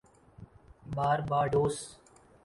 Barbados